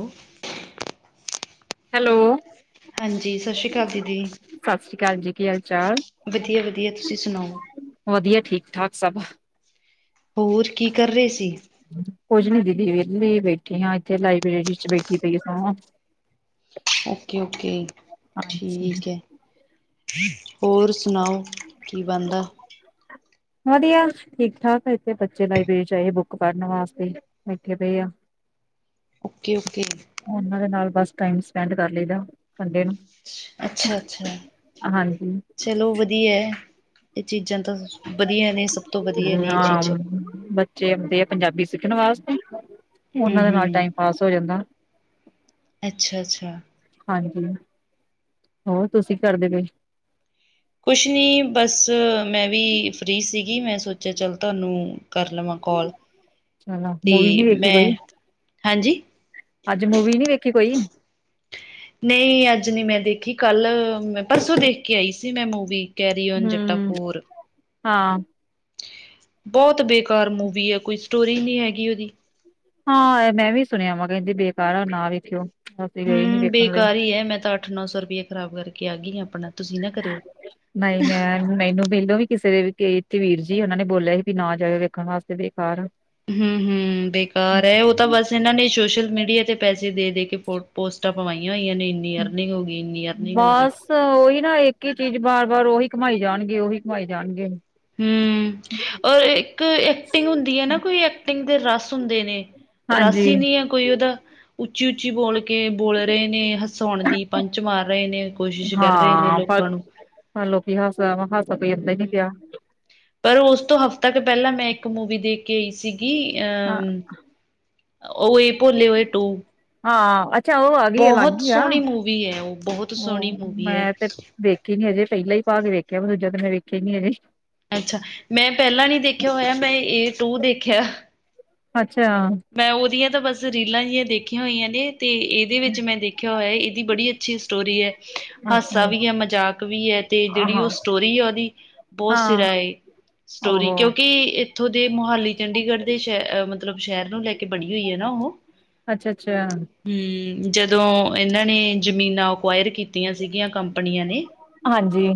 ਹੂੰ। ਹੈਲੋ। ਹਾਂਜੀ ਸਛੀ ਕਾਲ ਦੀਦੀ। ਸਸਰੀ ਕਾਲ ਜੀ ਕੀ ਹਾਲ ਚਾਲ, ਵਧੀਆ ਵਧੀਆ ਤੁਸੀਂ ਸੁਣਾਓ ਵਦੀਆ ਠੀਕ-ਠਾਕ ਸਭ। ਹੋਰ ਕੀ ਕਰ ਰਏ ਸੀ? ਕੁੱਝ ਨੀ ਦੀਦੀ ਵੇਲੀ ਬੈਠੀ ਹਾਂ ਏਥੇ ਲਾਈਬ੍ਰੇਰੀ ਚ ਬੈਠੀ ਪਈ ਸਾਂ ਓਕੇ-ਓਕੇ ਹਾਂਜੀ ਠੀਕ ਐ। ਹੋਰ ਸੁਣਾਓ, ਕੀ ਬਨਦਾ? ਵਦੀਆ, ਠੀਕ-ਠਾਕ ਏਥੇ ਬੱਚੇ ਲਾਇਬ੍ਰੇਰੀ ਚ ਆਏ ਬੁੱਕ ਪੜਨ ਵਾਸਤੇ। ਬੇਠੇ ਪਏ ਆ। ਓਕੇ-ਓਕੇ। ਓਨਾਂ ਦੇ ਨਾਲ ਬਸ ਟਾਈਮ ਸਪੈਂਡ ਕਰ ਲਈਦਾ। ਸੰਡੇ ਨੂੰ ਅੱਛਾ-ਅੱਛਾ। ਹਾਂਜੀ ਚਲੋ ਵਧੀਆ ਐ। ਇਹ ਚੀਜ਼ਾਂ ਤਾਂ ਵਧੀਆ ਨੇ। ਸਭ ਤੋਂ ਵਧੀਆ ਨੇ ਇਹ ਚੀਜ਼ਾਂ। ਜੇ ਆਉਂਦੇ ਆ ਪੰਜਾਬੀ ਸਿੱਖਣ ਵਾਸਤੇ। ਹਮ ਉਹਨਾਂ ਦੇ ਨਾਲ ਹਮ ਟਾਈਮ ਪਾਸ ਹੋ ਜਾਂਦਾ। ਅੱਛਾ-ਅੱਛਾ। ਹਾਂਜੀ। ਹੋਰ ਤੁਸੀਂ ਕਰਦੇ ਪਏ? ਕੁਛ ਨਹੀਂ ਬਸ, ਮੈਂ ਵੀ ਫਰੀ ਸੀਗੀ। ਮੈਂ ਸੋਚਿਆ ਚੱਲ ਤੁਹਾਨੂੰ ਕਰ ਲਵਾਂ ਕੋਲ। ਚਲੋ ਮੂਵੀ ਨਹੀਂ ਦੇਖੀ ਕੋਈ? ਹੈਜੀ। ਅੱਜ ਮੂਵੀ ਨੀ ਵੇਖੀ ਕੋਈ? ਨਹੀਂ ਅੱਜ ਨੀ ਮੈਂ ਦੇਖੀ, ਕੱਲ ਮੈਂ ਪਰਸੋਂ ਦੇਖ ਕੇ ਆਈ ਸੀ ਮੈਂ ਮੂਵੀ। ਕੈਰੀ ਓਨ ਜੱਟਾ ਹਮ ਫੋਰ ਹਾਂ। ਬਹੁਤ ਬੇਕਾਰ ਮੂਵੀ ਹੈ। ਕੋਈ ਸਟੋਰੀ ਨਹੀਂ ਹੈਗੀ ਉਹਦੀ। ਹਾਂ ਮੈਂ ਵੀ ਸੁਣਿਆ ਵਾ ਕਹਿੰਦੇ ਬੇਕਾਰ ਆ ਨਾ ਵੇਖਿਓ। ਅਸੀਂ ਗਏ ਨੀ ਹਮ ਵੇਖਣ ਲਈ ਬੇਕਾਰ ਹੀ ਹੈ। ਮੈਂ ਤਾਂ ਅੱਠ- ਨੌ ਸੌ ਰੁਪਇਆ ਖਰਾਬ ਕਰਕੇ ਆ ਗਈ ਆਪਣਾ ਤੁਸੀਂ ਨਾ ਕਰਿਓ। ਨਹੀਂ। ਮੈਂ ਮੈਨੂੰ ਮੈਲੋਂ ਵੀ ਕਿਸੇ ਦੇ ਇਥੇ ਵੀਰ ਜੀ ਉਹਨਾਂ ਨੇ ਬੋਲਿਆ ਸੀ ਵੀ ਨਾ ਜਾਇਓ ਵੇਖਣ ਵਾਸਤੇ ਬੇਕਾਰ ਆ। ਹਮ-ਹਮ ਬੇਕਾਰ ਹੈ। ਉਹ ਤਾਂ ਬਸ ਇਹਨ੍ਹਾਂ ਨੇ ਸੋਸ਼ਲ ਮੀਡੀਆ ਤੇ ਪੈਸੇ ਦੇ ਦੇ ਕੇ ਫੋ ਪੋਸਟਾਂ ਪਵਾਈਆਂ ਹੋਈਆਂ ਨੇ। ਇੰਨੀ ਅਰਨਿੰਗ ਹੋ ਗਈ, ਇੰਨੀ ਅਰਨਿੰਗ ਹੋ ਗਈ। ਬਸ ਉਹੀ ਨਾ ਇੱਕ ਹੀ ਚੀਜ਼ ਵਾਰ- ਵਾਰ ਉਹੀ ਘਮਾਈ ਜਾਣਗੇ ਉਹੀ ਘਮਾਈ ਜਾਣਗੇ। ਹਮ ਔਰ ਇੱਕ ਐਕਟਿੰਗ ਹੁੰਦੀ ਹੈ ਨਾ ਕੋਈ ਐਕਟਿੰਗ ਦੇ ਰਸ ਹੁੰਦੇ ਨੇ। ਰਾਸ਼ ਹਾਂਜੀ ਹੀ ਨਹੀਂ ਹੈ ਕੋਈ ਉਹਦਾ। ਉੱਚੀ- ਉੱਚੀ ਬੋਲ ਕੇ ਬੋਲ ਰਹੇ ਨੇ ਹਸਾਉਣ ਦੀ। ਪੰਚ ਮਾਰ ਰਹੇ ਨੇ, ਕੋਸ਼ਿਸ਼ ਕਰ ਰਹੇ ਨੇ ਲੋਕ ਆਪ ਨੂੰ। ਹ ਲੋਕੀ ਹਾਸਾ-ਹਾਸਾ ਕੋਈ ਇਦਦਾ ਹੀ ਨੀ ਪਿਆ। ਹੂੰ, ਪਰ ਉਸ ਤੋਂ ਹਫ਼ਤਾ ਕੁ ਪਹਿਲਾਂ ਮੈਂ ਇੱਕ ਮੂਵੀ ਦੇਖ ਕੇ ਆਈ ਸੀਗੀ ਹਾਂ ਅਹ ਉਹਹੀ ਭੋਲੇ ਓਏ ਟੂ। ਹਾਂ ਅੱਛਾ। ਉਹ ਆ ਗਈ ਆ ਲਗ ਬਹੁਤ ਗਈ ਆ। ਸੋਹਣੀ ਮੂਵੀ ਐ ਉਹ, ਬਹੁਤ ਸੋਹਣੀ ਮੂਵੀ ਐ। ਮੈਂ ਤੇ ਵੇਖੀ ਨੀ ਅਜੇ, ਪਹਿਲਾ ਹੀ ਭਾਗ ਵੇਖਿਆ। ਦੂਜਾ ਤੇ ਮੈਂ ਵੇਖਿਆ ਨੀ ਅਜੇ। ਅੱਛਾ, ਮੈਂ ਪਹਿਲਾਂ ਨੀ ਦੇਖਿਆ ਹੋਇਆ। ਮੈਂ ਏ ਦੋ ਦੇਖਿਆ। ਅੱਛਾ। ਮੈਂ ਉਹਦੀਆਂ ਤਾਂ ਬਸ ਰੀਲਾਂ ਜਿਹੀਆਂ ਦੇਖੀਆਂ ਹੋਈਆਂ ਨੇ। ਅਤੇ ਇਹਦੇ ਵਿੱਚ ਮੈਂ ਦੇਖਿਆ ਹੋਇਆ ਇਹਦੀ ਬੜੀ ਅੱਛੀ ਸਟੋਰੀ ਹੈ। ਅੱਛਾ ਹਾਸਾ ਵੀ ਹੈ। ਮਜ਼ਾਕ ਵੀ ਹੈ ਤੇ ਜਿਹੜੀ ਉਹ ਹਾਂ ਸਟੋਰੀ ਹੈ ਉਹਦੀ ਬਹੁਤ ਹਾਂ ਸਿਰਾ ਏ ਸਟੋਰੀ। ਓਹੋ ਕਿਉਂਕਿ ਇੱਥੋਂ ਦੇ ਮੋਹਾਲੀ, ਚੰਡੀਗੜ੍ਹ ਦੇ ਸ਼ਹਿਹ ਮਤਲਬ ਸ਼ਹਿਰ ਨੂੰ ਲੈ ਕੇ ਤੇ ਬਣੀ ਹੋਈ ਹੈ ਨਾ ਉਹ। ਅੱਛਾ ਅੱਛਾ ਹਮ। ਜਦੋਂ ਇਹਨਾਂ ਨੇ ਜ਼ਮੀਨਾਂ ਅਕੁਆਇਰ ਕੀਤੀਆਂ ਸੀਗੀਆਂ ਕੰਪਨੀਆਂ ਨੇ ਹਾਂਜੀ।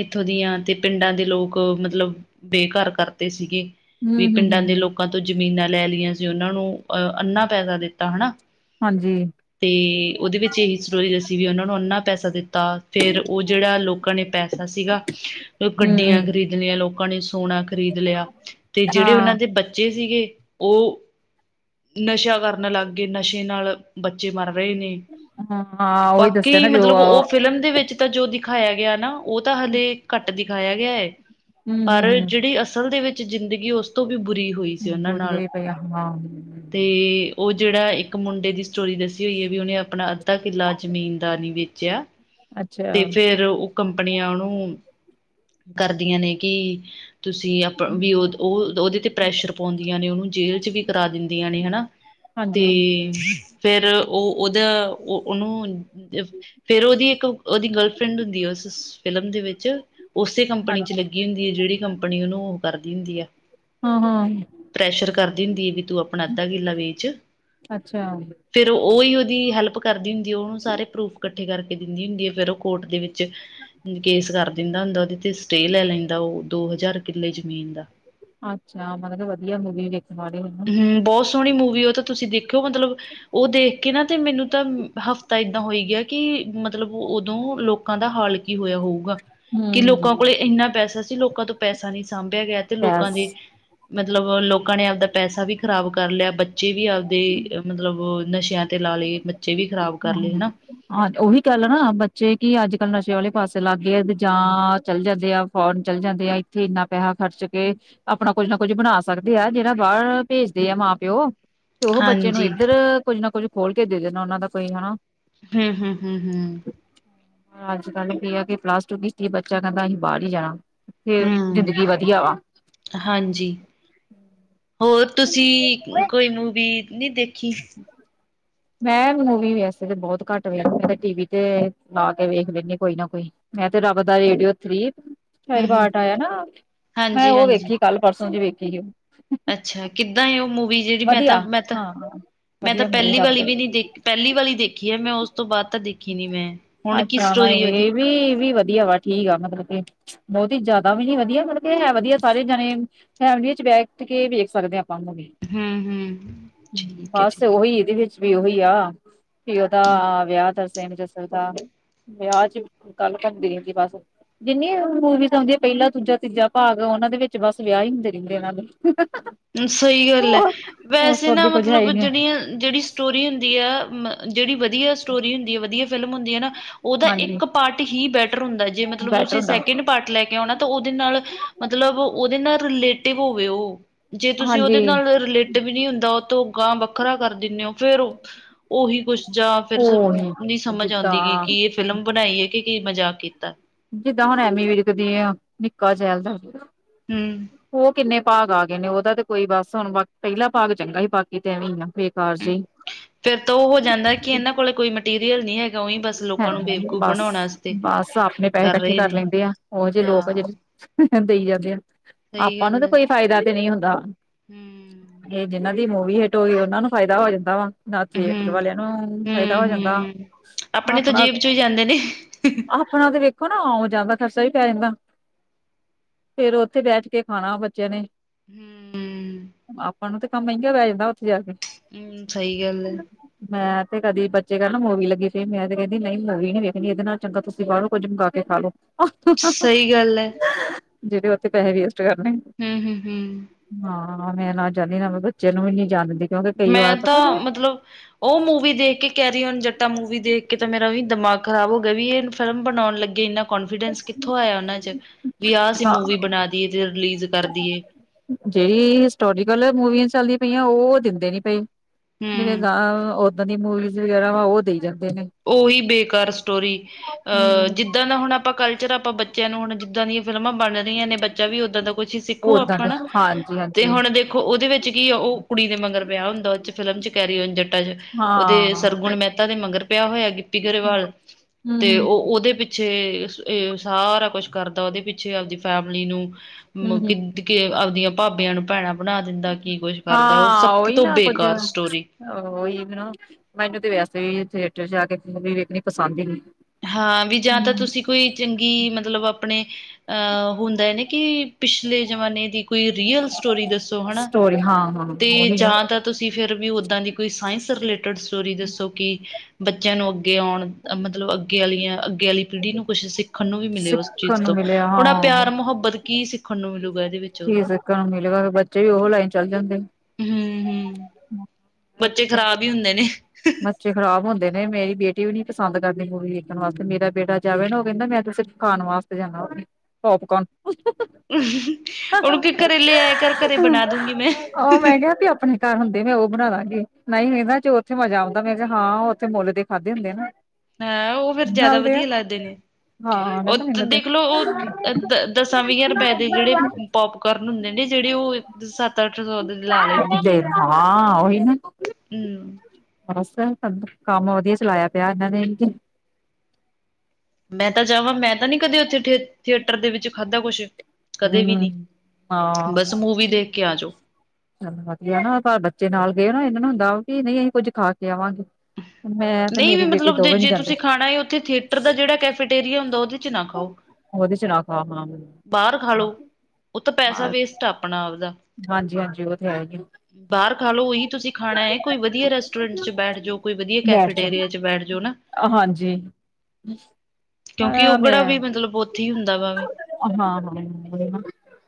ਇੱਥੋਂ ਦੀਆਂ ਤੇ ਪਿੰਡਾਂ ਦੇ ਲੋਕ ਮਤਲਬ ਬੇਘਰ ਕਰਤੇ ਸੀਗੇ। ਹੂੰ ਵੀ ਹੂੰ ਪਿੰਡਾਂ ਹੂੰ ਦੇ ਲੋਕਾਂ ਤੋਂ ਜ਼ਮੀਨਾਂ ਲੈ ਲਈਆਂ ਸੀ। ਉਹਨਾਂ ਨੂੰ ਅਹ ਅੰਨਾ ਪੈਸਾ ਦਿੱਤਾ ਹਨਾ। ਹਾਂਜੀ। ਅਤੇ ਉਹਦੇ ਵਿੱਚ ਇਹੀ ਸਟੋਰੀ ਦੱਸੀ ਵੀ ਉਹਨਾਂ ਨੂੰ ਅੰਨਾ ਪੈਸਾ ਦਿੱਤਾ। ਫੇਰ ਉਹ ਜਿਹੜਾ ਲੋਕਾਂ ਨੇ ਪੈਸਾ ਸੀਗਾ। ਉਹ ਹੂੰ ਹੂੰ ਗੱਡੀਆਂ ਖਰੀਦਣੀਆਂ ਲੋਕਾਂ ਨੇ ਸੋਣਾ ਖ਼ਰੀਦ ਲਿਆ ਤੇ ਜਿਹੜੇ ਉਹਨਾਂ ਹਾਂ ਦੇ ਬੱਚੇ ਸੀਗੇ। ਉਹ ਨਸ਼ਾ ਕਰਨ ਲੱਗ ਗਏ। ਨਸ਼ੇ ਨਾਲ ਬੱਚੇ ਮਰ ਰਏ ਨੇ, ਹਾਂ ਹਾਂ ਉਹੀ ਦੱਸਿਆ ਬਾਕੀ ਨਾ ਜੋ ਮਤਲਬ ਓ ਹੂੰ ਫਿਲਮ ਦੇ ਵੇਚ। ਤਾਂ ਜੋ ਦਿਖਾਇਆ ਗਿਆ ਨਾ ੳ ਤਾਂ ਹਾਲੇ, ਘੱਟ ਦਿਖਾਇਆ ਗਿਆ ਏ। ਹੂੰ ਪਰ ਹੂੰ ਜਿਹੜੀ ਅਸਲ ਦੇ ਵੇਚ ਜ਼ਿੰਦਗੀ ਉਸ ਤੋਂ ਵੀ ਬੁਰੀ ਹੋਈ ਸੀ, ਉਹਨਾਂ ਨਾਲ ਤੇ ਆਪਣਾ ਅਤੇ ਉ ਜਿਹੜਾ ਇੱਕ ਮੁੰਡੇ ਦੀ ਸਟੋਰੀ ਦੱਸੀ ਹੋਈ ਏ, ਵੀ ਉਹਨੇ ਆਪਣਾ ਅੱਧਾ ਕਿੱਲਾ ਜ਼ਮੀਨ ਦਾ ਨਹੀਂ ਵੇਚਿਆ। ਅੱਛਾ ਤੇ ਫੇਰ ਉ ਕੰਪਨੀਆਂ ਉਹਨੂੰ ਕਰਦੀਆਂ ਨੇ ਕਿ ਤੁਸੀਂ ਆਪ ਵੀ ਉ ਉਹ ਉਹਦੇ ਤੇ ਪ੍ਰੈਸ਼ਰ ਪਾਉਂਦੀਆਂ ਨੇ, ਉਹਨੂੰ ਜੇਲ੍ਹ ਚ ਵੀ ਕਰਾ ਦਿੰਦੀਆਂ ਨੇ ਹਨਾ। ਤੇ ਹਾਂਜੀ ਫੇਰ ਉ ਉਹਦਾ ਉ ਉਹਨੂੰ ਫੇਰ ਉਹਦੀ ਇੱਕ ਉਹਦੀ ਗਰਲਫਰੈਂਡ ਹੁੰਦੀ ਹੈ, ਉਸ ਫਿਲਮ ਦੇ ਵੇਚ ਉਸੇ ਕੰਪਨੀ ਚ ਹਾਂਜੀ ਲੱਗੀ ਹੁੰਦੀ ਹੈ, ਜਿਹੜੀ ਕੰਪਨੀ ਆਪਣੀ ਉਹਨੂੰ ਉਹ ਕਰਦੀ ਹੁੰਦੀ ਏ। ਹਾਂ ਹਾਂ ਪ੍ਰੈਸ਼ਰ ਕਰਦੀ ਹੁੰਦੀ ਏ, ਵੀ ਤੂੰ ਆਪਣਾ ਅੱਧਾ ਕਿੰਲਾ ਵੇਚ। ਅੱਛਾ ਫੇਰ ਉਹੀ ਉਹਦੀ ਹੈਲਪ ਕਰਦੀ ਹੁੰਦੀ ਏ, ਉਹਨੂੰ ਸਾਰੇ ਪਰੂਫ ਕੱਠੇ ਕਰਕੇ ਦਿੰਦੀ ਹੁੰਦੀ ਹੈ ਫੇਰ ਉਹ ਕੋਰਟ ਦੇ ਵੇਚ ਕੇਸ ਕਰ ਦਿੰਦਾ ਹੁੰਦਾ ਉਹਦੇ ਤੇ ਸਟੇਅ ਲੈ ਲੈਂਦਾ, ਉ ਦੋ ਹਜ਼ਾਰ ਕਿੱਲੇ ਜ਼ਮੀਨ ਦਾ। ਅੱਛਾ, ਮਤਲਬ ਵਧੀਆ ਮੂਵੀ ਵੇਖਣ ਵਾਲੀ ਹੂਨ ਹੂੰ, ਬਹੁਤ ਸੋਹਣੀ ਮੂਵੀ ਉਹ ਤਾਂ ਤੁਸੀਂ ਦੇਖ ਦੇਖੋ ਮਤਲਬ ਉ ਦੇਖਕੇ ਨਾ ਤੇ ਮੈਨੂੰ ਤਾਂ ਹਫ਼ਤਾ ਏਦਾਂ ਹੋਈ ਗਿਆ। ਕਿ ਮਤਲਬ ਉਦੋਂ ਲੋਕਾਂ ਦਾ ਹਾਲ ਕੀ ਹੋਇਆ ਹੋਊਗਾ। ਕਿ ਲੋਕਾਂ ਕੋਲ ਹੂੰ ਇੰਨਾ ਪੈਸਾ ਸੀ ਲੋਕਾਂ ਤੋਂ ਪੈਸਾ ਨਹੀਂ, ਸਾਂਭਿਆ ਗਿਆ ਤੇ ਲੋਕਾਂ ਬਸ ਦੇ ਮਤਲਬ ਲੋਕਾਂ ਨੇ ਆਪਦਾ ਪੈਸਾ ਵੀ ਖ਼ਰਾਬ ਕਰ ਲਿਆ, ਬੱਚੇ ਵੀ ਆਪਦੇ ਦੇ ਮਤਲਬ ਨਸ਼ਿਆਂ ਤੇ ਲਾ ਲਏ ਬੱਚੇ ਵੀ ਖ਼ਰਾਬ ਕਰ ਲਏ ਹੂੰ। ਹਨਾ ਹਾਂ ਉਹੀ ਕਹੇਲੋ ਨਾ, ਬੱਚੇ ਕਿ ਅੱਜ-ਕੱਲ ਨਸ਼ੇ ਵਾਲੇ ਪਾਸੇ ਲੱਗ ਗਏਆ ਜਾਂ ਚੱਲ ਜਾਂਦੇ ਆ। ਫੋਰਨ ਚੱਲ ਜਾਂਦੇ ਆ, ਇੱਥੇ ਇੰਨਾ ਪੈਸਾ ਖਰਚ ਕੇ ਆਪਣਾ ਕੁੱਝ ਨਾ ਕੁੱਝ ਬਣਾ ਸਕਦੇ ਆ, ਜਿਹੜਾ ਬਾਹਰ ਭੇਜਦੇ ਆ ਮਾਂ-ਪਿਓ। ਤੇ ਉਹ ਬੱਚੇ ਨੂੰ ਹਾਂਜੀ। ਇੱਧਰ ਕੁੱਝ ਨਾ ਕੁੱਝ ਖੋਲਕੇ ਦੇ ਦੇਣਾ, ਉਹਨਾਂ ਦਾ ਕੋਈ ਹੂੰ, ਹੂੰ, ਹੂੰ, ਹੂੰ। ਅੱਜ-ਕੱਲ੍ਹ ਕੀ ਆ ਕਿ ਪਲਸ ਟੂ ਕੀਤੀ ਬੱਚਾ ਕਹਿੰਦਾ, ਅਸੀਂ ਬਾਹਰ ਹੀ ਜਾਣਾ ਫੇਰ ਹੂੰ। ਜ਼ਿੰਦਗੀ ਵਧੀਆ ਵਾ ਹਾਂਜੀ। ਹੋਰ ਤੁਸੀਂ ਕੋਈ ਮੂਵੀ ਨਹੀਂ ਦੇਖੀ ਮੈਂ ਮੂਵੀ ਵੈਸੇ ਤੇ ਬਹੁਤ ਘੱਟ ਵੇਖ ਟੀ ਵੀ ਤੇ ਲਾਕੇ ਵੇਖ ਲੇਨੀ ਆ, ਕੋਈ ਨਾ ਕੋਈ ਮੈਂ ਤੇ ਰੱਬ ਦਾ ਰੇਡੀਓ ਥਰੀਪ ਸ਼ਾਇਦ ਹੂੰ। ਪਟ ਆਇਆ ਨਾ, ਮੈਂ ਹਾਂਜੀ, ਓ ਹਾਂਜੀ ਵੇਖੀ ਕੱਲ-ਪਰਸੋਂ ਜੇ ਵੇਖੀ ਓ ਅੱਛਾ, ਕਿੱਦਾਂ ਏ, ਓ ਮੂਵੀ ਜਿਹੜੀ ਮੈਂ ਤਾਂ ਮੈਂ ਤਾਂ ਹਾਂ ਮੈਂ ਤਾਂ ਵਧੀਆ ਮੂਵੀ ਪਹਿਲੀ ਵਾਲੀ ਲੱਗਦਾ ਵੀ ਨੀ ਦੇਖੀ। ਪਹਿਲੀ ਵਾਲੀ ਦੇਖੀ ਏ, ਮੈਂ ਉਸ ਤੋਂ ਬਾਅਦ ਤਾਂ ਦੇਖੀ ਨੀ ਮੈਂ ਹੁਣ ਕੀ ਅੱਛਾ, ਸਟੋਰੀ ਉਹਦੀ? ਏਹ ਵੀ ਵੀ ਵਧੀਆ ਵਾ ਠੀਕ ਆ ਮਤਲਬ, ਕਿ ਬਹੁਤ ਹੀ ਜਿਦਾ ਵੀ ਨੀ ਵਧੀਆ ਮਤਲਬ ਏਹ ਏ ਵਧੀਆ ਸਾਰੇ ਜਾਣੇ ਫੈਮਿਲੀ ਚ ਬੈਠਕੇ ਵੇਖ ਸਕਦੇ ਹਾਂ ਆਪਾਂ ਮੂਵੀ ਹੂੰ, ਹੂੰ। ਠੀਕ ਐ, ਬਸ ਠੀਕ ਐ। ਉਹੀ ਏਹਦੇ ਵਿੱਚ ਵੀ ਉਹੀ ਆ, ਵੀ ਉਹਦਾ ਵਿਆਹ ਤਰਸੇ ਜਸੜ ਵਿਆਹ ਚ ਗੱਲ ਕਰਦੀ ਰਹਿੰਦੀ, ਬਸ ਜਿੰਨੀੇ ਮੂਵੀਜ਼ ਆਉਂਦੀਆਂ ਪਹਿਲਾ, ਦੂਜਾ, ਤੀਜਾ ਭਾਗ ਉਨਾਂ ਦੇ ਵਿੱਚ ਬਸ ਵਿਆਹ ਹੀ ਹੁੰਦੇ ਰਹਿੰਦੇ, ਉਨਾਂ ਦੇ ਸਹੀ ਗੱਲ ਏ, ਉਸ ਵੈਸੇ ਤੋਂ ਨਾ ਅੱਗੇ ਕੁੱਝ ਹੈ ਮਤਲਬ ਹੀ ਨੀ ਜਿਹੜੀਆਂ ਜਿਹੜੀ ਸਟੋਰੀ ਹੁੰਦੀ ਆ, ਜਿਹੜੀ ਵਧੀਆ ਸਟੋਰੀ ਹੁੰਦੀ ਆ ਵਧੀਆ ਫਿਲਮ ਹੁੰਦੀ ਏਨਾ ਉਹਦਾ ਹਾਂਜੀ ਏਕ ਪਾਰਟ ਹੀ ਬੈਟਰ ਹੁੰਦਾ, ਜੇ ਮਤਲਬ ਬੈਟਰ ਤੁਸੀਂ ਹੁੰਦਾ ਸੈਕਿੰਡ ਪਟ ਲੈਕੇ ਆਉਨਾ ਤਾਂ, ਉਹਦੇ ਨਾਲ ਮਤਲਬ ਉਹਦੇ ਨਾਲ ਰਿਲੇਟਿਵ ਹੋਵੇ ਓ। ਜੇ ਤੁਸੀਂ ਹਾਂਜੀ ਉਹਦੇ ਨਾਲ ਰਿਲੇ ਇਹ ਵੀ ਨਹੀਂ ਹੁੰਦਾ ਉਹ ਤੋਂ, ਅਗਾਂਹ ਵੱਖਰਾ ਕਰ ਦਿੰਦੇ ਹੋ, ਫੇਰ ਉਹੀ ਕੁਛ ਜਾਂ ਫੇਰ, ਉਹ ਨੀ ਸਮਝ ਆਉਂਦੀ ਗਈ ਜਿੱਦਾਂ ਕਿ ਫਿਲਮ ਬਣਾਈ ਹੈ ਕਿ ਕੀ ਮਜ਼ਾਕ ਕੀਤਾ ਜਿੱਦਾਂ ਹੁਣ ਐਮੀ ਵੇਖਦੇ ਹਾਂ ਨਿੱਕਾ ਜੈਲ ਦਾ, ਹਮ ਉਹ ਕਿੰਨੇ ਭਾਗ ਆ ਗਏ ਨੇ ਉਹਦਾ ਤੇ ਕੋਈ ਬਸ ਹੁਣ ਬਾ ਪਹਿਲਾ ਭਾਗ ਚੰਗਾ ਸੀ ਬਾਕੀ ਤੇ ਐਵੇਂ ਨਾ ਬੇਕਾਰ ਜੇ ਫੇਰ ਤਾਂ ਉਹ ਹੋ ਜਾਂਦਾ ਕਿ ਇਹਨਾਂ ਕੋਲ ਕੋਈ ਮਟੀਰੀਅਲ ਨਹੀਂ ਹੈਗਾ ਉਹੀ ਬਸ ਹੈਂ ਲੋਕਾਂ ਨੂੰ ਗਈ ਬੇਵਕੂਫ ਬਸ ਬਣਾਉਣ ਵਾਸਤੇ ਬਸ ਆਪਣੇ ਪੈਸੇ ਇਕੱਠੇ ਰਹੇ ਕਰ ਨੇ ਲੈਂਦੇ ਆ, ਉਹੋ ਜਿਹੇ ਲੋਕ ਹਾਂ ਜਿਹੜੇ ਦੇਈ ਜਾਂਦੇ ਆ ਆਪਾਂ ਨੂੰ ਕੋਈ ਫਾਇਦਾ ਤੇ ਨਹੀਂ ਹੁੰਦਾ ਹੂੰਮ ਇਹ ਜਿਹਨਾਂ ਦੀ ਮੂਵੀ ਹਿੱਟ ਹੋਈ, ਉਹਨਾਂ ਨੂੰ ਫਾਇਦਾ ਹੋ ਜਾਂਦਾ ਵਾ, ਨਾਲ ਥੀਏਟਰ ਹੂੰ ਵਾਲਿਆਂ ਨੂੰ ਫ਼ਾਇਦਾ ਹੂੰ ਹੋ ਜਾਂਦਾ ਹੂੰ ਆਪਣੇ ਤੋਂ ਆਪਣਾ ਜੇਬ 'ਚੋਂ ਹੀ ਜਾਂਦੇ ਨੇ ਆਪਣਾ ਤੇ ਵੇਖੋ ਨਾ ਓ ਜਾਦਾ ਖਰਚਾ ਵੀ ਪੈ ਜਾਂਦਾ ਫਿਰ ਉੱਥੇ ਬੈਠ ਕੇ ਖਾਣਾ ਬੱਚਿਆਂ ਨੇ ਹਮ ਆਪਾਂ ਨੂੰ ਇੰਨੇ ਕੰਮ ਪੈ ਜਾਂਦਾ ਉੱਥੇ ਜਾ ਕੇ ਹਮ, ਸਹੀ ਗੱਲ ਹੈ ਮੈਂ ਤੇ ਕਦੀ ਬੱਚੇ ਕਹਿਣ ਮੂਵੀ ਲੱਗੀ ਤੇ ਮੈਂ ਤੇ ਕਹਿੰਦੀ ਨਹੀਂ ਮੂਵੀ ਨੀ ਵੇਖਣੀ, ਇਹਦੇ ਨਾਲੋਂ ਚੰਗਾ ਤੁਸੀ ਬਾਹਰੋ ਕੁੱਝ ਮੰਗਵਾ ਕੇ ਖਾ ਲਓ ਸਹੀ ਗੱਲ ਹੈ ਜਿਹੜੇ ਉੱਥੇ ਪੈਸੇ ਵੇਸਟ ਕਰਨੇ ਹਮ- ਹਮ -ਹਮ ਹਾਂ, ਮੈਂ ਨਾ ਚਾਹੁੰਦੀ, ਨਾ ਬੱਚੇ ਨੂੰ ਵੀ ਨੀ ਜਾਣ ਦਿੰਦੀ ਕਿਉਂਕਿ ਕਈ ਵਾਰ ਮੈਂ ਪਤਾ ਤਾਂ ਮਤਲਬ, ਉਹ ਮੂਵੀ ਦੇਖ ਕੇ ਕੈਰੀਓਨ ਜੱਟਾ ਮੂਵੀ ਦੇਖ ਕੇ ਮੇਰਾ ਵੀ ਦਿਮਾਗ ਖ਼ਰਾਬ ਹੋ ਗਏ ਵੀ ਇਹ ਫਿਲਮ ਬਣਾਉਣ ਲੱਗੇ ਇੰਨਾ ਕੋਨਫੀਡੈਂਸ ਕਿੱਥੋਂ ਆਇਆ ਉਹਨਾਂ 'ਚ, ਵੀ ਆਹ ਅਸੀਂ ਹਾਂ ਮੂਵੀ ਬਣਾ ਦੇਈਏ ਤੇ ਰਿਲੀਜ਼ ਕਰਦੀਏ ਜੇਹੜੀ ਹਿਸਟੋਰੀਕਲ ਮੂਵੀਆਂ ਚੱਲਦੀਆਂ ਪਈਆਂ ਉਹ ਦਿੰਦੇ ਨੀ ਪਏ ਜਿਹੜੇ ਹੂੰ ਗਾਂ ਓਦਾਂ ਦੀ ਮੂਵੀਜ਼ ਵਗੈਰਾ ਉਹ ਦੇਈ ਜਾਂਦੇ ਨੇ ਉਹੀ ਬੇਕਾਰ ਸਟੋਰੀ, ਅਹ ਹੂੰ। ਜਿੱਦਾਂ ਦਾ ਹੁਣ ਅਪ ਆਪਾਂ ਕਲਚਰ ਆਪਾਂ ਬੱਚਿਆਂ ਨੂੰ ਹੁਣ ਜਿੱਦਾਂ ਦੀਆਂ ਫਿਲਮਾਂ ਬਣ ਰਹੀਆਂ ਨੇ, ਬੱਚਾ ਵੀ ਉਦਾਂ ਦਾ ਕੁਛ ਉਹ ਸਿੱਖੋ ਓਦਾਂ ਦੇ ਆਪਣਾ, ਤੇ ਹਾਂਜੀ-ਹਾਂਜੀ ਹੁਣ ਦੇ ਦੇਖੋ ਉਹਦੇ ਵਿੱਚ ਕੀ, ਉਹ ਕੁੜੀ ਦੇ ਮਗਰ ਪਿਆ ਹੁੰਦਾ ਉਹ 'ਚ ਫਿਲਮ 'ਚ ਕੈਰੀ ਓਨ ਜਟਾ ਜਟਾਂ 'ਚ, ਉਹਦੇ ਹਾਂ ਸਰਗੁਣ ਮਹਿਤਾ ਦੇ ਮਗਰ ਪਿਆ ਹੋਇਆ ਗਿੱਪੀ ਗਰੇਵਾਲ ਤੇ ਹੂੰ-ਹੂੰ, ਉਹ ਉਹਦੇ ਪਿਛ ਪਿੱਛੇ, ਏ ਸਾਰਾ ਕੁਛ ਕਰਦਾ ਉਹਦੇ ਪਿੱਛੇ ਆਪਦੀ ਫੈਮਲੀ ਨੂੰ, ਕਿ ਹੂੰ-ਹੂੰ। ਕਿ ਆਪਦੀਆਂ ਭਾਬਿਆਂ ਨੂੰ ਭੈਣਾਂ ਬਣਾ ਦਿੰਦਾ ਕੀ ਕੁਛ ਕਰਦਾ ਉਹ ਹਾਂ ਸਭ ਉਹੀ ਤੋਂ ਨਾ ਕੁੱਝ ਬੇਕਾਰ ਸਟੋਰੀ ਉਹੀ ਨਾ ਮੈਨੂੰ ਤੇ ਵੈਸੇ ਵੀ ਥੀਏਟਰ 'ਚ ਆ ਕੇ ਮੂਵੀ ਵੇਖਣੀ ਪਸੰਦ ਹੀ ਨਹੀਂ ਹਾਂ, ਵੀ ਜਾਂ ਤਾਂ ਤੁਸੀਂ ਕੋਈ ਚੰਗੀ ਮਤਲਬ ਆਪਣੇ, ਆਂ ਹੁੰਦਾ ਨਾ ਕਿ ਪਿਛਲੇ ਜਮਾਨੇ ਦੀ ਕੋਈ ਰੀਅਲ ਸਟੋਰੀ ਦੱਸੋ ਹਨਾ, ਸਟੋਰੀ ਹਾਂ ਹਾਂ ਤੇ ਉਹੀ ਨਾ ਜਾਂ ਤਾਂ ਤੁਸੀਂ ਫਿਰ ਵੀ ਉਦਾਂ ਦੀ ਕੋਈ ਸਾਇੰਸ ਰਿਲੇਟਿਡ ਸਟੋਰੀ ਦੱਸੋ ਕਿ ਬੱਚਿਆਂ ਨੂੰ ਅੱਗੇ ਆਉਣ ਮਤਲਬ ਅੱਗੇ ਵਾਲੀਆਂ ਅੱਗੇ ਵਾਲੀ ਪੀੜ੍ਹੀ ਨੂੰ ਕੁਛ ਸਿੱਖ ਸਿੱਖਣ ਨੂੰ ਵੀ ਮਿਲੇ ਉਸ ਚੀਜ਼ ਸਿੱਖਣ ਨੂੰ ਤੋਂ, ਮਿਲਿਆ ਹੁਣ ਆ ਹਾਂ ਪਿਆਰ ਮੁਹੱਬਤ ਕੀ ਸਿੱਖਣ ਨੂੰ ਮਿਲੂਗਾ ਇਹਦੇ ਵਿੱਚੋਂ ਗਾਹ ਨੂੰ ਮਿਲੇਗਾ ਫਿਰ ਬੱਚੇ ਵੀ ਉਹ ਲਾਈਨ ਚੱਲ ਜਾਂਦੇ ਹਮ-ਹਮ ਹਮ ਬੱਚੇ ਖਰਾਬ ਹੀ ਹੁੰਦੇ ਨੇ ਬੱਚੇ ਖਰਾਬ ਹੁੰਦੇ ਨੇ ਮੇਰੀ ਬੇਟੀ ਵੀ ਨੀ ਪਸੰਦ ਕਰਦੀ ਮੂਵੀ ਵੇਖਣ ਵਾਸਤੇ ਮੇਰਾ ਬੇਟਾ ਜਾਵੇ ਨਾ ਉਹ ਕਹਿੰਦਾ ਮੈਂ ਤੇ ਸਿਰਫ ਖਾਣ ਵਾਸਤੇ ਜਾਂਨਾ ਵਾ ਪੋਪਕੋਨ ਉਨੂੰ ਕਈ ਘਰੇ ਲੈ ਆਇਆ ਕਰ ਘਰੇ ਬਣਾ ਦੂੰਗੀ ਮੈਂ ਉਹ ਮੈਂ ਕਿਹਾ ਵੀ ਆਪਣੇ ਘਰ ਹੁੰਦੇ ਮੈਂ ਉਹ ਬਣਾ ਦਾਂਗੀ ਨਹੀਂ ਇੰਦਾ ਜੋ ਉੱਥੇ ਮਜ਼ਾ ਆਉਂਦਾ ਮੈਂ ਕਿਹਾ ਹਾਂ ਉੱਥੇ ਮੁੱਲ ਦੇ ਖਾਧੇ ਹੁੰਦੇ ਨਾ ਹਾੰ ਉਹ ਫੇਰ ਜ਼ਿਆਦਾ ਨਾਲਦੇ ਆ ਵਦੀਆ ਲੱਗਦੇ ਨੇ ਹਾਂ ਕਹਿੰਦਾ ਉਹ ਮੈਨੂੰ ਤੇ ਦੇਖਲੋ ਉਹ ਦ ਦਸਾਂ ਵੀਆਂ ਰੁਪਏਆ ਦੇ ਜਿਹੜੇ ਪੋਪਕੋਰਨ ਹੁੰਦੇ ਨੇ ਜਿਹੜੀ ਉਹ ਸੱਤ ਅੱਠ ਸੌ ਦੇ ਲਾ ਲੈਂਦੇ ਨੇ ਦੇ ਉਹ ਹਾਂ ਉਹੀ ਨਾ ਹਮ ਕੰਮ ਵਧੀਆ ਚਲਾਇਆ ਪਿਆ ਇਹਨਾਂ ਨੇ ਮੈਂ ਤਾਂ ਜਾਵਾਂ ਮੈਂ ਤਾਂ ਨੀ ਕਦੇ ਉੱਥੇ ਥੀਏਟ-ਥੀਏਟਰ ਦੇ ਵਿੱਚ ਖਾਧਾ ਕੁਛ ਕਦੇ ਵੀ ਹਮ ਨੀ ਹਾਂ ਬਸ ਮੂਵੀ ਦੇਖ ਕੇ ਆ ਜਾਓ ਚੱਲ ਵਧੀਆ ਨਾ ਪਰ ਬੱਚੇ ਨਾਲ ਗਏ ਨਾ ਇਹਨਾਂ ਨੂੰ ਹੁੰਦਾ ਕਿ ਨਹੀਂ ਅੰਹੀ ਕੁੱਝ ਖਾ ਕੇ ਆਵਾਂਗੇ ਮੈਂ ਤੇ ਨਹੀਂ ਵੀ ਮੇਰੀ ਬੇਟੀ ਮਤਲਬ ਜੇ ਦੋਵੇਂ ਨੀ ਜੇ ਜਾਂਦੇ ਤੁਸੀਂ ਖਾਣਾ ਹੈ ਉੱਥੇ ਥੀਏਟਰ ਦਾ ਜਿਹੜਾ ਕੈਫੀਟੇਰਿਆ ਹੁੰਦਾ ਉਹਦੇ ਚ ਨਾ ਖਾਓ ਉਹਦੇ ਚ ਨਾ ਖਾ ਹਾਂ ਬਾਹਰ ਖਾਲੋ ਉਹ ਤਾਂ ਪੈਸਾ ਵੇਸਟ ਆ ਅਪਣਾ ਆਪਦਾ [unintelligible] ਬਾਹਰ ਖਾਲੋ ਉਹੀ ਤੁਸੀਂ ਖਾਣਾ ਏ ਕੋਈ ਵਧੀਆ ਰੈਸਟੋਰੈਂਟ ਚ ਬੈਠ ਜਾਓ ਕੋਈ ਵਧੀਆ ਕੈਫੇ ਬੈਠ ਜਾਓ ਵਿੱਚ ਬੈਠ ਜਾਓ ਨਾ ਹਾਂਜੀ ਕਿਉਂਕਿ ਹਾਂ ਉਹ ਕੇੜਾ ਵੀ ਮਤਲਬ ਉੱਥੇ ਹੀ ਹੁੰਦਾ ਵਾ ਵੇ ਹਾਂ-ਹਾਂ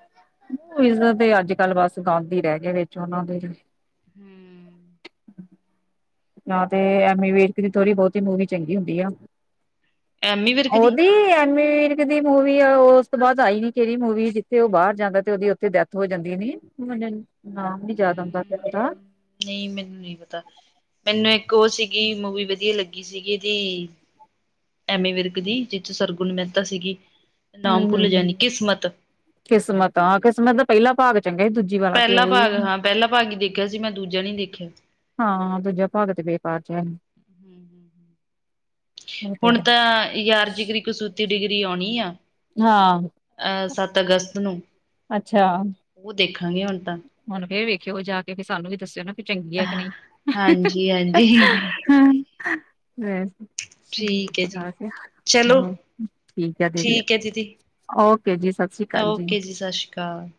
ਇੱਜ਼ਤ ਤੇ ਅੱਜ ਕੱਲ ਬਸ ਗੰਦ ਹੀ ਰਹਿ ਗਏ ਵਿੱਚ ਉਹਨਾਂ ਦੇ ਹਮ ਨਾ ਤੇ ਐਮੀ ਵੀਰਕ ਦੀ ਥੋੜ੍ਹੀ ਬੋਹਤੀ ਮੂਵੀ ਚੰਗੀ ਹੁੰਦੀ ਆ ਐਮੀ ਵਿਰਕ ਦੀ ਉਹਦੀ ਐਮੀ ਵੀਰ ਕ ਦੀ ਮੂਵੀ ਆ ਉਹ ਉਸਤੋਂ ਬਾਦ ਆਈ ਨੀ ਕਿਹੜੀ ਮੂਵੀ ਜਿੱਥੇ ਉਹ ਬਾਹਰ ਜਾਂਦਾ ਤੇ ਉਹਦੀ ਉੱਥੇ ਡੈਥ ਹੋ ਜਾਂਦੀ ਏ ਨੀ ਮੈ ਨਨ ਨਾਮ ਨੀ ਯਾਦ ਆਉਂਦਾ ਹੂੰ ਏਦਾ ਨਹੀਂ ਮੈਨੂੰ ਨਹੀਂ ਪਤਾ ਪਹਲੇ ਇੱਕ ਉਹ ਸੀਗੀ ਮੂਵੀ ਵਦੀਆ ਲੱਗੀ ਕੀ ਸੀਗੀ ਜੀ ਐਮੀ ਵਿਰਕ ਦੀ ਜਿੱਥੋਂ ਸਰਗੁਣ ਮਹਿਤਾ ਸੀਗੀ ਨਾਮ ਭੁੱਲ ਹਮ-ਹਮ ਜਾਣੀ ਕਿਸਮਤ ਕਿਸਮਤ ਆ ਕਿਸਮਤ ਦਾ ਪਹਿਲਾ ਭਾਗ ਚੰਗਾ ਸੀ ਦੂਜਾ ਪਹਿਲਾ ਭਾਗ ਹਾਂ ਪਹਿਲਾ ਭਾਗ ਹੀ ਦੇਖਿਆ ਸੀ ਮੈਂ ਦੂਜਾ ਨੀ ਦੇਖਿਆ ਹਾਂ ਦੂਜਾ ਭਾਗ ਤੇ ਬੇਕਾਰ ਜੇਹਾ ਏ ਉਹ ਤੇ ਹੈ ਹੁਣਤਾਂ ਯਾਰ ਜਿਗਰੀ ਕਸੂਤੀ ਡਿਗਰੀ ਆਉਣੀ ਆ ਹਾਂ ਅ ਸੱਤ ਅਗਸਤ ਨੂੰ ਅੱਛਾ ਉਹ ਦੇਖਾਂਗੇ ਹੁਣਤਾਂ ਹੁਣ ਫੇਰ ਵੇਖਿਓ ਜਾ ਫੇਰ ਕੇ ਸਾਨੂੰ ਵੀ ਦੱਸਿਓ ਨਾ ਕਿ ਚੰਗੀ ਹੈ ਕਿ ਨਹੀਂ ਹਾਂਜੀ ਹਾਂਜੀ ਹਮ ਬ ਠੀਕ ਹੈ ਜੀ ਚਲੋ ਹੂੰ, ਠੀਕ ਆ ਦੀਦੀ ਹੈ ਦੀਦੀ ਓਕੇ ਜੀ, ਸਤਿ ਸ਼੍ਰੀ ਅਕਾਲ ਜੀ ਓਕੇ ਸਤਿ ਸ਼੍ਰੀ ਅਕਾਲ